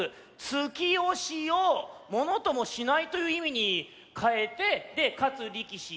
突きおしをものともしないといういみにかえてで「勝つ力士」。